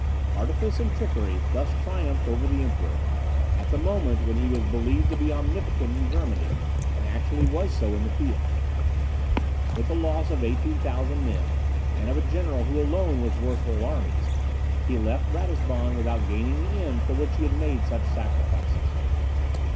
Artifice and trickery thus triumphed over the Emperor, at the moment when he was believed to be omnipotent in Germany, and actually was so in the field. With the loss of 18,000 men, and of a general who alone was worth whole armies, he left Ratisbon without gaining the end for which he had made such sacrifices.